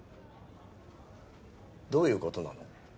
どういうことなの？